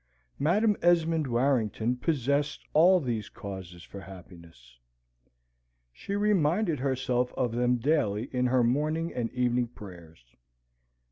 Madam Esmond Warrington possessed all these causes for happiness; she reminded herself of them daily in her morning and evening prayers.